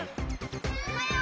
・おはよう。